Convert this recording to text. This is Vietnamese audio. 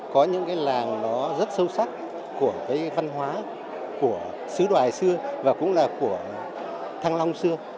có những cái làng nó rất sâu sắc của cái văn hóa của xứ đoài xưa và cũng là của thăng long xưa